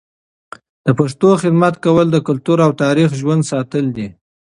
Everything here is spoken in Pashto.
د پښتو خدمت کول د کلتور او تاریخ ژوندي ساتل دي.